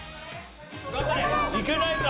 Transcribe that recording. いけないか？